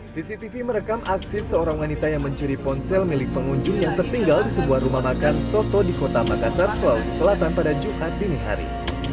cctv merekam aksi seorang wanita yang mencuri ponsel milik pengunjung yang tertinggal di sebuah rumah makan soto di kota makassar sulawesi selatan pada jumat dinihari